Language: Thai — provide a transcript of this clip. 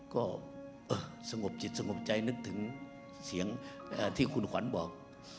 ก็สงบจิตสงบใจนึกถึงเสียงที่คุณขวัญบอก